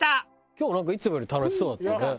今日なんかいつもより楽しそうだったね。